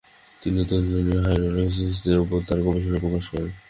তিনি দুধের ননীর হাইড্রোলাইসিসের উপর তার গবেষণা প্রকাশ করেন।